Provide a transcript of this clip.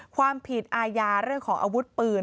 ความผิดอาญาเรื่องของอาวุธปืน